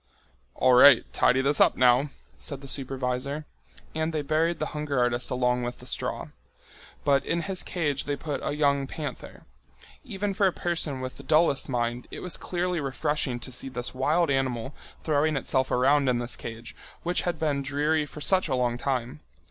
"All right, tidy this up now," said the supervisor. And they buried the hunger artist along with the straw. But in his cage they put a young panther. Even for a person with the dullest mind it was clearly refreshing to see this wild animal throwing itself around in this cage, which had been dreary for such a long time.